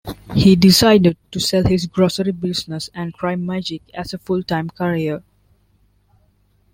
He decided to sell his grocery business and try magic as a full-time career.